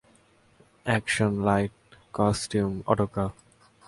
একসন, light, costume, autograph.